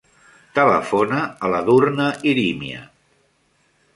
Telefona a l'Edurne Irimia.